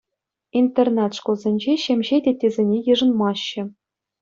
Интернат шкулсенче ҫемҫе теттесене йышӑнмаҫҫӗ.